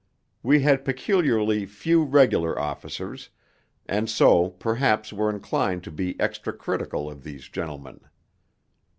We had peculiarly few Regular officers, and so perhaps were inclined to be extra critical of these gentlemen.